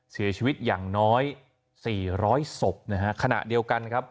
เสียชีวิตอย่างน้อย๔๐๐ศพขณะเดียวกันครับ